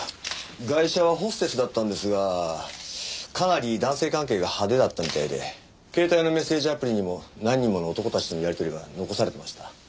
ガイシャはホステスだったんですがかなり男性関係が派手だったみたいで携帯のメッセージアプリにも何人もの男たちとのやり取りが残されてました。